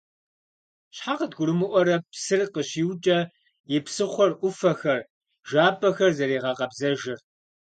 Щхьэ къыдгурымыӀуэрэ псыр къыщиукӀэ и псыхъуэр, Ӏуфэхэр, жапӀэхэр зэригъэкъэбзэжыр?!